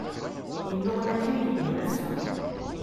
Yennuɣna kan Yidir ass-a.